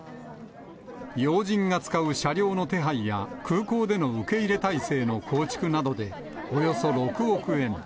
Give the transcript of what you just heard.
要人が使う車両の手配や、空港での受け入れ体制の構築などで、およそ６億円。